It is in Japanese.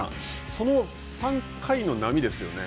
その３回の波ですよね。